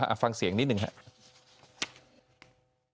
อะฟังเสียงนิดนึงหลัง